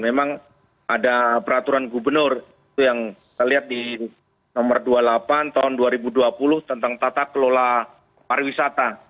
memang ada peraturan gubernur itu yang saya lihat di nomor dua puluh delapan tahun dua ribu dua puluh tentang tata kelola pariwisata